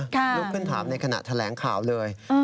ลุกขึ้นถามในขณะแถลงข่าวเลย